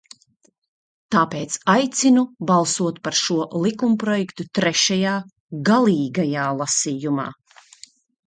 Tāpēc aicinu balsot par šo likumprojektu trešajā, galīgajā, lasījumā.